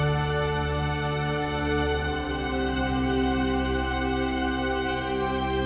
bidang bidana yang diusir me rivendeller serta bidangan terhei'er perusahaan terbusa